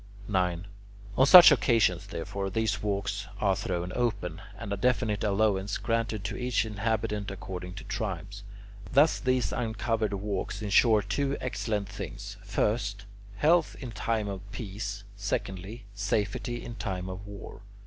9. On such occasions, therefore, these walks are thrown open, and a definite allowance granted to each inhabitant according to tribes. Thus these uncovered walks insure two excellent things: first, health in time of peace; secondly, safety in time of war.